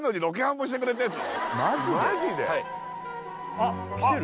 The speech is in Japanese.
あっ来てる？